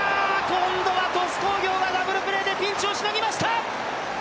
今度は鳥栖工業がダブルプレーでピンチをしのぎました！